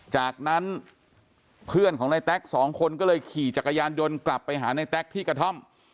จากนั้นเพื่อนของในแต๊กสองคนก็เลยขี่จักรยานยนต์กลับไปหาในแต๊กที่กระท่อม